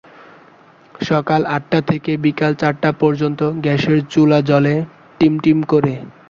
সকাল আটটা থেকে বিকেল চারটা পর্যন্ত গ্যাসের চুলা জ্বলে টিমটিম করে।